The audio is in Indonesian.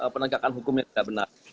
penegakan hukum yang tidak benar